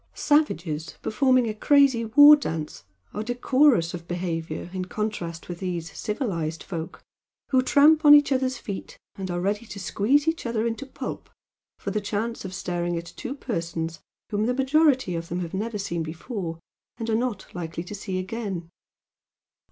Savages performing a crazy war dance are decorous of behaviour in contrast with these "civilised" folk who tramp on each other's feet and are ready to squeeze each other into pulp for the chance of staring at two persons whom the majority of them have never seen before and are not likely to see again.